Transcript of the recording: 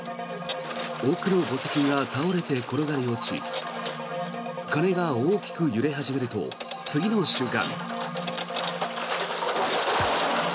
奥の墓石が倒れて転がり落ち鐘が大きく揺れ始めると次の瞬間。